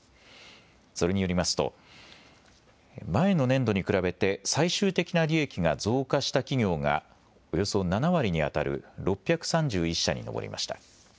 それによりますと、前の年度に比べて最終的な利益が増加した企業がおよそ７割にあたる６３１社に上りました。